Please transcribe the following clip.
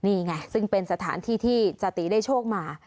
นี่ไงซึ่งเป็นสถานที่ที่จติได้โชคมา